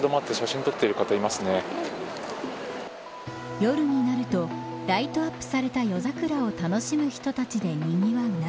夜になるとライトアップされた夜桜を楽しむ人たちでにぎわう中。